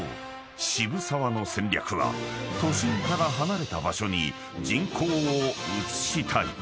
渋沢の戦略は都心から離れた場所に人口を移したい］